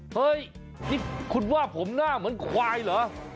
เฮ้ยนี่คุณว่าผมหน้าเหมือนควายเหรอ